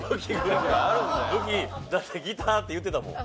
武器だって「ギター」って言ってたもん。